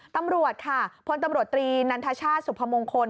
ตำรวจค่ะพลตำรวจตรีนันทชาติสุพมงคล